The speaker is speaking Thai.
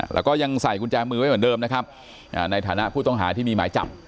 แล้วก็ยังใส่กุญแจมือไว้เหมือนเดิมนะครับในฐานะผู้ต้องหาที่มีหมายจับ